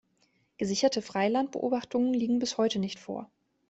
Gesicherte Freilandbeobachtungen liegen bis heute nicht vor.